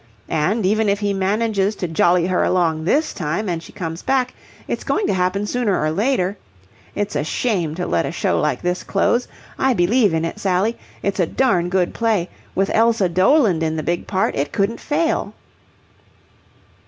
And, even if he manages to jolly her along this time and she comes back, it's going to happen sooner or later. It's a shame to let a show like this close. I believe in it, Sally. It's a darn good play. With Elsa Doland in the big part, it couldn't fail."